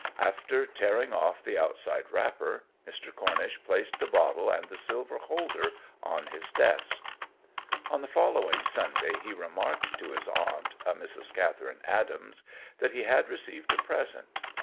After tearing off the outside wrapper, Mr. Cornish placed the bottle and the silver holder on his desk. On the following Sunday he remarked to his aunt, a Mrs. Catherine Adams, that he had received a present.